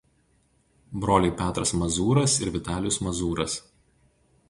Broliai Petras Mazūras ir Vitalijus Mazūras.